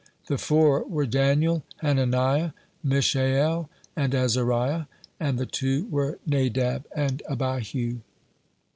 "The four were Daniel, Hananiah, Mishael, and Azariah, and the two were Nadab and Abihu."